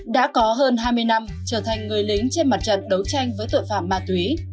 đã có hơn hai mươi năm trở thành người lính trên mặt trận đấu tranh với tội phạm ma túy